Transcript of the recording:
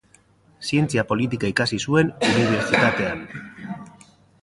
Zientzia politika ikasi zuen unibertsitatean.